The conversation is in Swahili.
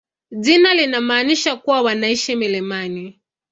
Jina linamaanisha kuwa wanaishi milimani.